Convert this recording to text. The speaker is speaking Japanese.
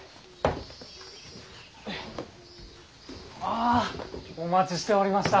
あぁお待ちしておりました。